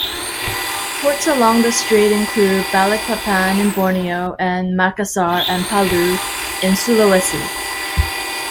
Ports along the strait include Balikpapan in Borneo, and Makassar and Palu in Sulawesi.